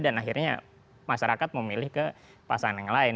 dan akhirnya masyarakat memilih ke pasangan yang lain